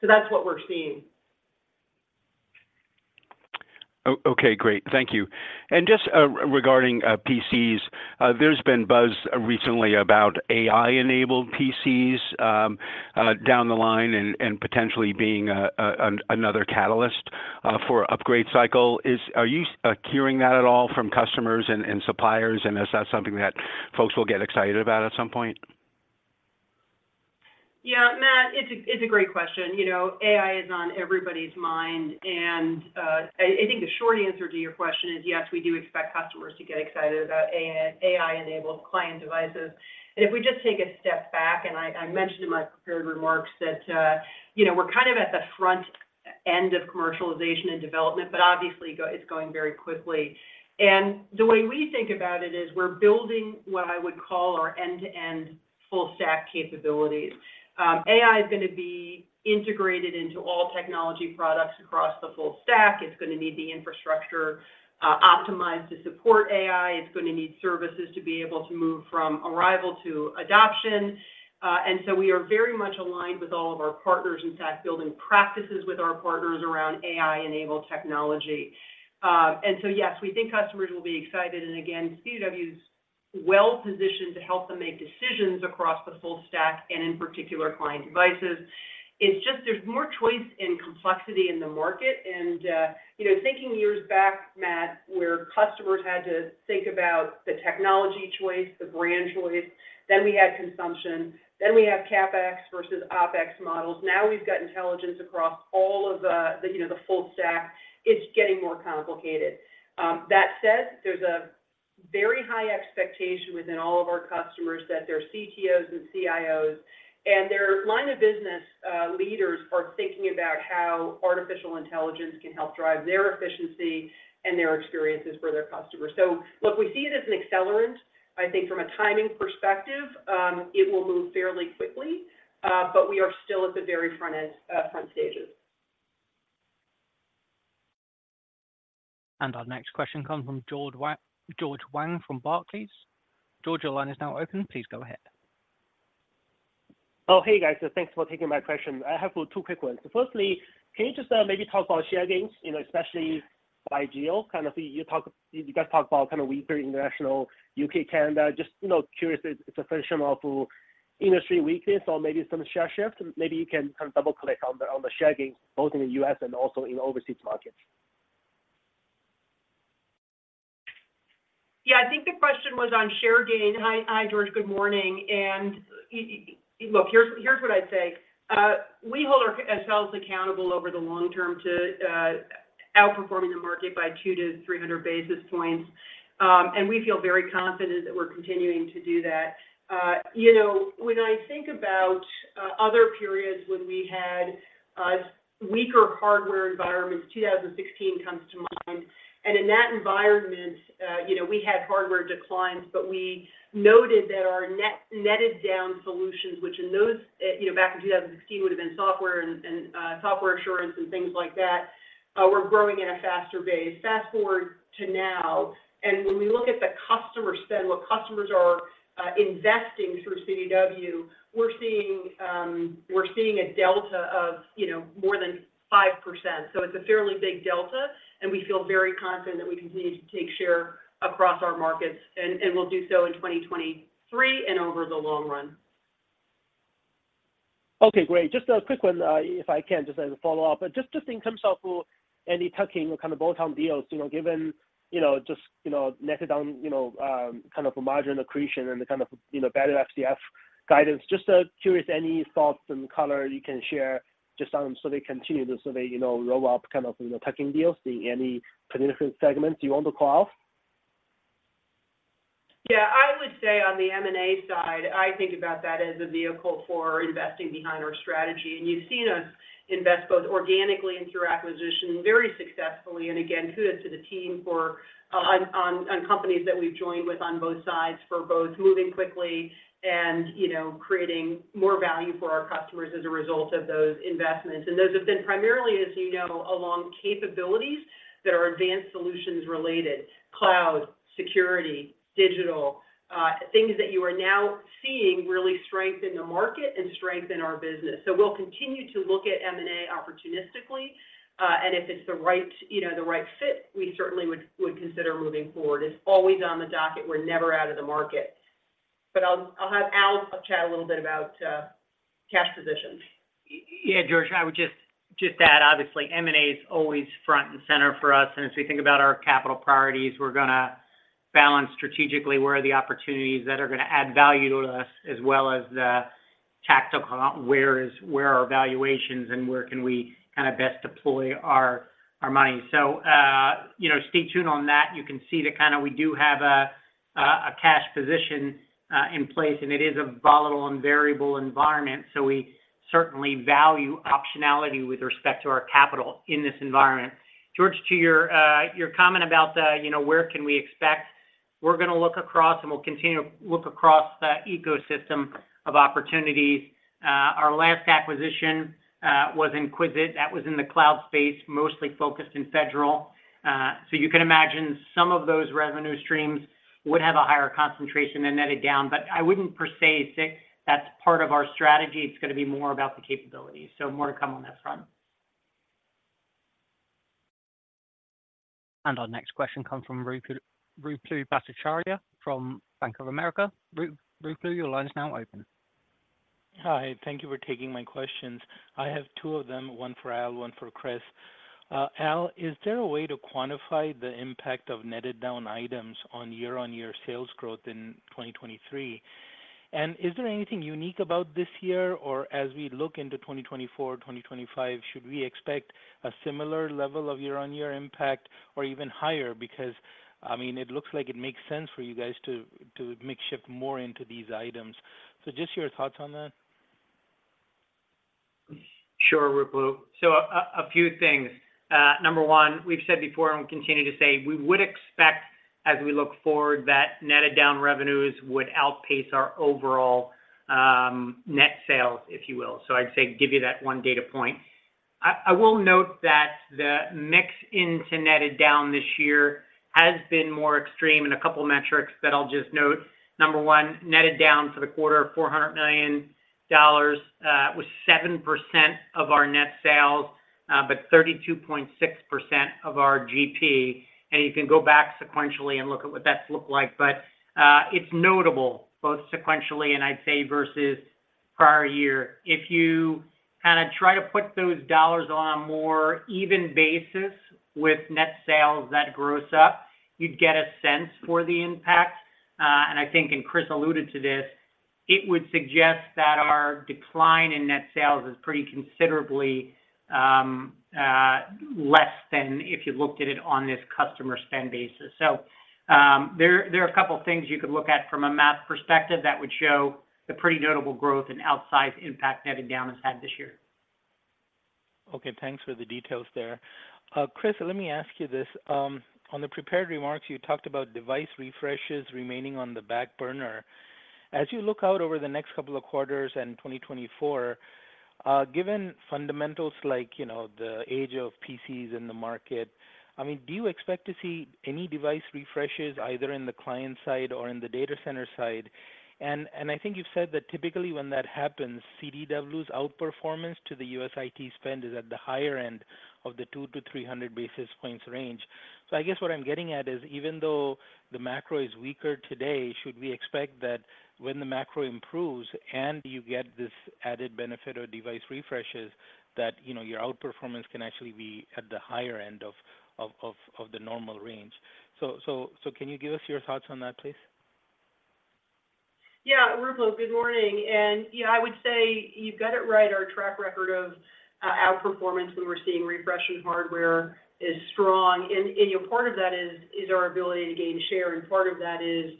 So that's what we're seeing. Okay, great. Thank you. And just regarding PCs, there's been buzz recently about AI-enabled PCs down the line and potentially being another catalyst for upgrade cycle. Are you hearing that at all from customers and suppliers? And is that something that folks will get excited about at some point? Yeah, Matt, it's a great question. You know, AI is on everybody's mind, and I think the short answer to your question is, yes, we do expect customers to get excited about AI, AI-enabled client devices. And if we just take a step back, and I mentioned in my prepared remarks that, you know, we're kind of at the front end of commercialization and development, but obviously, it's going very quickly. And the way we think about it is, we're building what I would call our end-to-end full stack capabilities. AI is gonna be integrated into all technology products across the full stack. It's gonna need the infrastructure optimized to support AI. It's gonna need services to be able to move from arrival to adoption. And so we are very much aligned with all of our partners, in fact, building practices with our partners around AI-enabled technology. And so, yes, we think customers will be excited, and again, CDW's well-positioned to help them make decisions across the full stack and in particular, client devices. It's just there's more choice and complexity in the market, and, you know, thinking years back, Matt, where customers had to think about the technology choice, the brand choice, then we had consumption, then we have CapEx versus OpEx models. Now, we've got intelligence across all of the, you know, the full stack. It's getting more complicated. That said, there's a very high expectation within all of our customers that their CTOs and CIOs and their line of business leaders are thinking about how artificial intelligence can help drive their efficiency and their experiences for their customers. So look, we see it as an accelerant. I think from a timing perspective, it will move fairly quickly, but we are still at the very front edge, front stages. Our next question comes from George Wang, George Wang from Barclays. George, your line is now open. Please go ahead. Oh, hey, guys. Thanks for taking my question. I have two quick ones. First, can you just maybe talk about share gains, you know, especially by geo? You guys talk about kind of weaker international, U.K., Canada. Just, you know, curious if it's a function of industry weakness or maybe some share shift. Maybe you can kind of double-click on the share gains, both in the U.S. and also in overseas markets. Yeah, I think the question was on share gain. Hi, George, good morning. And look, here's what I'd say. We hold ourselves accountable over the long term to outperforming the market by 200 basis points-300 basis points, and we feel very confident that we're continuing to do that. You know, when I think about other periods when we had weaker hardware environments, 2016 comes to mind, and in that environment, you know, we had hardware declines, but we noted that our netted down solutions, which in those back in 2016 would have been software and software assurance and things like that, were growing at a faster base. Fast-forward to now, and when we look at the customer spend, what customers are investing through CDW, we're seeing, we're seeing a delta of, you know, more than 5%. So it's a fairly big delta, and we feel very confident that we continue to take share across our markets, and, and will do so in 2023 and over the long run. Okay, great. Just a quick one, if I can, just as a follow-up. But just to think in terms of any tuck-in or kind of bolt-on deals, you know, given, you know, just, you know, netted down, you know, kind of a margin accretion and the kind of, you know, better FCF guidance. Just, curious, any thoughts and color you can share just on, so they continue to, so they, you know, roll up kind of, you know, tuck-in deals? Any particular segments you want to call out? Yeah, I would say on the M&A side, I think about that as a vehicle for investing behind our strategy. And you've seen us invest both organically and through acquisition very successfully. And again, kudos to the team for companies that we've joined with on both sides, for both moving quickly and, you know, creating more value for our customers as a result of those investments. And those have been primarily, as you know, along capabilities that are advanced solutions related, cloud, security, digital things that you are now seeing really strengthen the market and strengthen our business. So we'll continue to look at M&A opportunistically, and if it's the right, you know, the right fit, we certainly would consider moving forward. It's always on the docket. We're never out of the market. But I'll have Al chat a little bit about cash positions. Yeah, George, I would just add, obviously, M&A is always front and center for us, and as we think about our capital priorities, we're gonna balance strategically where are the opportunities that are gonna add value to us, as well as the tactical, where is, where are our valuations and where can we best deploy our money. So, you know, stay tuned on that. You can see that kinda we do have a cash position in place, and it is a volatile and variable environment, so we certainly value optionality with respect to our capital in this environment. George, to your comment about the, you know, where can we expect, we're gonna look across, and we'll continue to look across the ecosystem of opportunities. Our last acquisition was Enquizit. That was in the cloud space, mostly focused in Federal. So you can imagine some of those revenue streams would have a higher concentration than netted down, but I wouldn't per se say that's part of our strategy. It's gonna be more about the capabilities. So more to come on that front. Our next question comes from Ruplu Bhattacharya from Bank of America. Ruplu, your line is now open. Hi, thank you for taking my questions. I have two of them, one for Al, one for Chris. Al, is there a way to quantify the impact of netted down items on year-on-year sales growth in 2023? And is there anything unique about this year, or as we look into 2024, 2025, should we expect a similar level of year-on-year impact or even higher? Because, I mean, it looks like it makes sense for you guys to, to make shift more into these items. So just your thoughts on that. Sure, Ruplu. So, a few things. Number one, we've said before, and we continue to say, we would expect, as we look forward, that netted down revenues would outpace our overall net sales, if you will. So I'd say, give you that one data point. I will note that the mix into netted down this year has been more extreme in a couple of metrics that I'll just note. Number one, netted down for the quarter, $400 million was 7% of our net sales, but 32.6% of our GP. And you can go back sequentially and look at what that look like, but it's notable, both sequentially and I'd say, versus prior year. If you kinda try to put those dollars on a more even basis with net sales, that gross up, you'd get a sense for the impact. And I think, and Chris alluded to this, it would suggest that our decline in net sales is pretty considerably less than if you looked at it on this customer spend basis. So, there are a couple of things you could look at from a math perspective that would show the pretty notable growth and outsized impact netted down has had this year. Okay, thanks for the details there. Chris, let me ask you this. On the prepared remarks, you talked about device refreshes remaining on the back burner. As you look out over the next couple of quarters and 2024, given fundamentals like, you know, the age of PCs in the market, I mean, do you expect to see any device refreshes, either in the client side or in the data center side? And I think you've said that typically when that happens, CDW's outperformance to the U.S. IT spend is at the higher end of the 200 basis points-300 basis points range. So I guess what I'm getting at is, even though the macro is weaker today, should we expect that when the macro improves and you get this added benefit or device refreshes, that, you know, your outperformance can actually be at the higher end of the normal range? So can you give us your thoughts on that, please? Yeah, Ruplu, good morning. And, yeah, I would say you've got it right. Our track record of outperformance when we're seeing refreshing hardware is strong. And part of that is our ability to gain share, and part of that is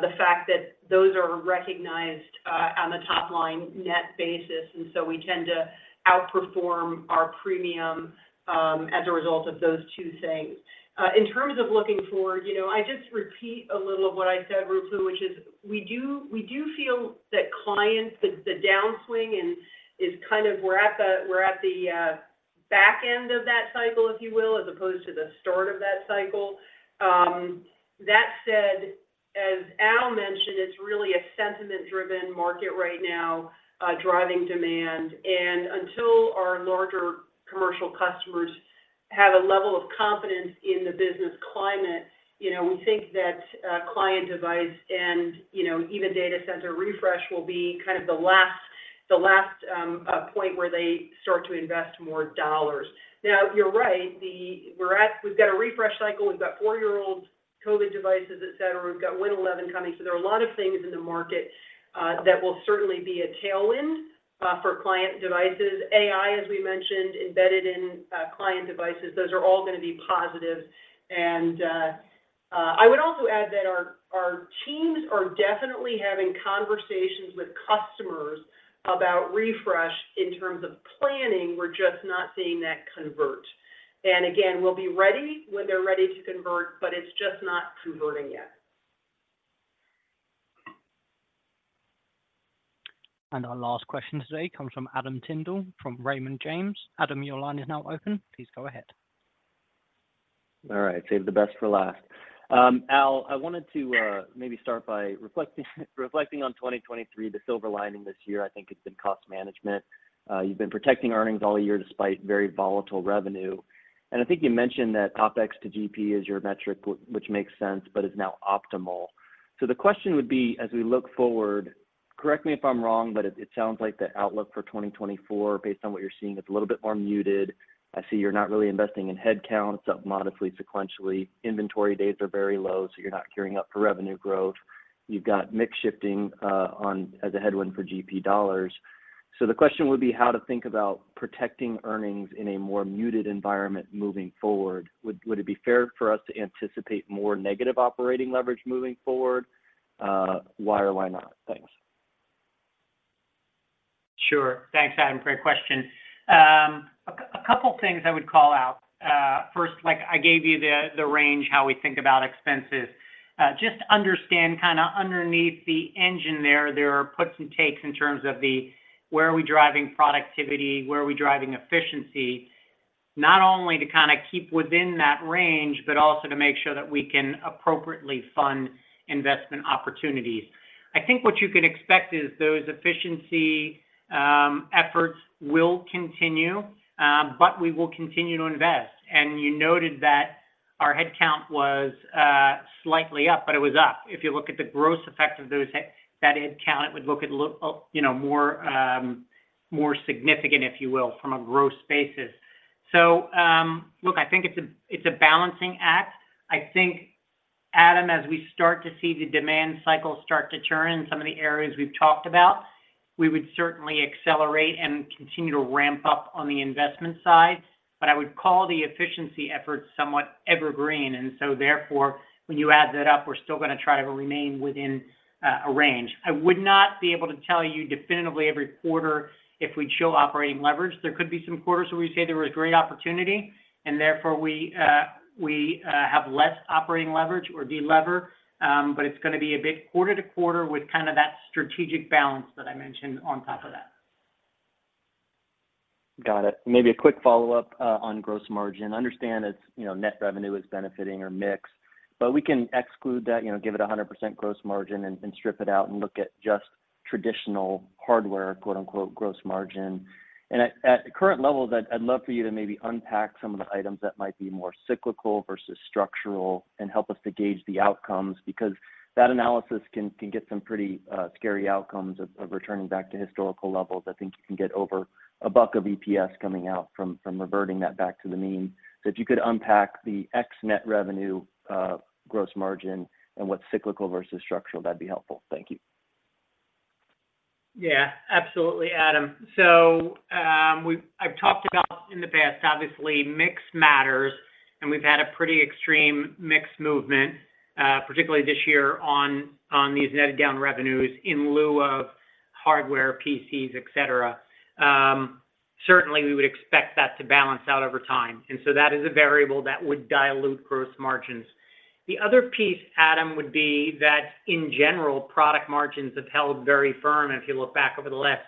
the fact that those are recognized on the top line net basis, and so we tend to outperform our premium as a result of those two things. In terms of looking forward, you know, I just repeat a little of what I said, Ruplu, which is we do feel that clients, the downswing and is kind of we're at the back end of that cycle, if you will, as opposed to the start of that cycle. That said, as Al mentioned, it's really a sentiment-driven market right now driving demand. Until our larger commercial customers have a level of confidence in the business climate, you know, we think that client device and, you know, even data center refresh will be kind of the last point where they start to invest more dollars. Now, you're right, we're at a refresh cycle. We've got four-year-old COVID devices, et cetera. We've got Win 11 coming, so there are a lot of things in the market that will certainly be a tailwind for client devices. AI, as we mentioned, embedded in client devices, those are all going to be positive. And I would also add that our teams are definitely having conversations with customers about refresh in terms of planning. We're just not seeing that convert. Again, we'll be ready when they're ready to convert, but it's just not converting yet. Our last question today comes from Adam Tindle, from Raymond James. Adam, your line is now open. Please go ahead. All right. Save the best for last. Al, I wanted to maybe start by reflecting on 2023, the silver lining this year, I think it's been cost management. You've been protecting earnings all year, despite very volatile revenue. I think you mentioned that OpEx to GP is your metric, which makes sense, but is now optimal. So the question would be, as we look forward, correct me if I'm wrong, but it sounds like the outlook for 2024, based on what you're seeing, is a little bit more muted. I see you're not really investing in headcount. It's up modestly, sequentially. Inventory days are very low, so you're not gearing up for revenue growth. You've got mix shifting on as a headwind for GP dollars. So the question would be how to think about protecting earnings in a more muted environment moving forward. Would it be fair for us to anticipate more negative operating leverage moving forward? Why or why not? Thanks. Sure. Thanks, Adam, great question. A couple of things I would call out. First, like I gave you the the range, how we think about expenses. Just understand kinda underneath the engine there, there are puts and takes in terms of the where are we driving productivity, where are we driving efficiency? Not only to kinda keep within that range, but also to make sure that we can appropriately fund investment opportunities. I think what you can expect is those efficiency efforts will continue, but we will continue to invest. And you noted that our headcount was slightly up, but it was up. If you look at the gross effect of those that headcount, it would look a little you know more more significant, if you will, from a gross basis. So, look, I think it's a, it's a balancing act. I think, Adam, as we start to see the demand cycle start to turn in some of the areas we've talked about, we would certainly accelerate and continue to ramp up on the investment side, but I would call the efficiency effort somewhat evergreen, and so therefore, when you add that up, we're still gonna try to remain within a range. I would not be able to tell you definitively every quarter if we'd show operating leverage. There could be some quarters where we say there was great opportunity, and therefore we have less operating leverage or de-lever, but it's gonna be a bit quarter to quarter with kinda that strategic balance that I mentioned on top of that. Got it. Maybe a quick follow-up on gross margin. Understand it's, you know, net revenue is benefiting or mix, but we can exclude that, you know, give it 100% gross margin and strip it out and look at just traditional hardware, quote, unquote, "gross margin." And at current levels, I'd love for you to maybe unpack some of the items that might be more cyclical versus structural and help us to gauge the outcomes, because that analysis can get some pretty scary outcomes of returning back to historical levels. I think you can get over $1 of EPS coming out from reverting that back to the mean. So if you could unpack the ex net revenue gross margin and what's cyclical versus structural, that'd be helpful. Thank you. Yeah, absolutely, Adam. So, I've talked about in the past, obviously, mix matters, and we've had a pretty extreme mix movement, particularly this year on these netted down revenues in lieu of hardware, PCs, et cetera. Certainly, we would expect that to balance out over time, and so that is a variable that would dilute gross margins. The other piece, Adam, would be that in general, product margins have held very firm. If you look back over the last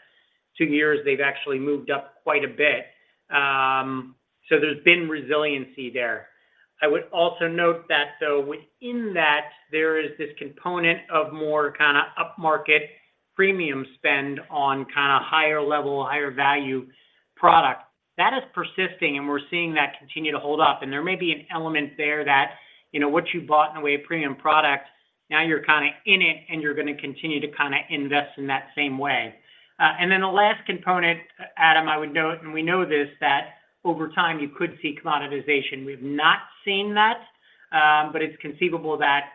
two years, they've actually moved up quite a bit. So there's been resiliency there. I would also note that, so within that, there is this component of more kinda upmarket premium spend on kinda higher level, higher value product. That is persisting, and we're seeing that continue to hold up, and there may be an element there that, you know, what you bought in the way of premium product, now you're kinda in it, and you're gonna continue to kinda invest in that same way. And then the last component, Adam, I would note, and we know this, that over time, you could see commoditization. We've not seen that, but it's conceivable that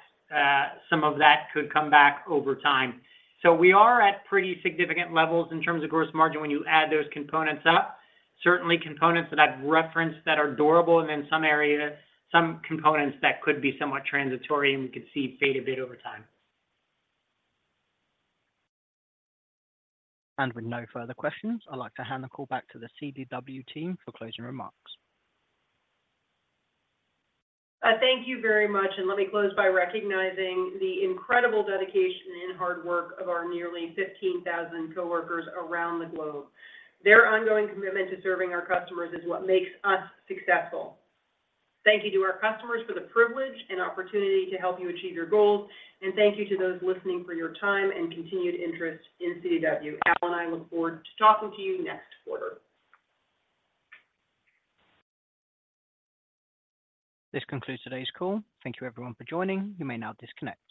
some of that could come back over time. So we are at pretty significant levels in terms of gross margin when you add those components up. Certainly components that I've referenced that are durable, and then some areas, some components that could be somewhat transitory, and we could see fade a bit over time. With no further questions, I'd like to hand the call back to the CDW team for closing remarks. Thank you very much, and let me close by recognizing the incredible dedication and hard work of our nearly 15,000 coworkers around the globe. Their ongoing commitment to serving our customers is what makes us successful. Thank you to our customers for the privilege and opportunity to help you achieve your goals, and thank you to those listening for your time and continued interest in CDW. Al and I look forward to talking to you next quarter. This concludes today's call. Thank you, everyone, for joining. You may now disconnect.